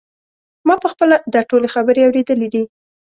ما په خپله دا ټولې خبرې اورېدلې دي.